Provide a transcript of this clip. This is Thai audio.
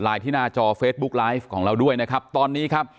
ที่หน้าจอเฟซบุ๊กไลฟ์ของเราด้วยนะครับตอนนี้ครับ